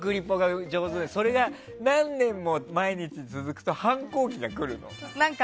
それが何年も毎日続くと反抗期が来るの？